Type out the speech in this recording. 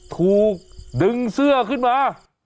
ถูกดึงเสื้อขึ้นมา